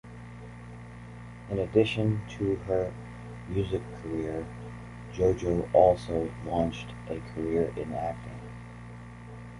In addition to her music career, JoJo also launched a career in acting.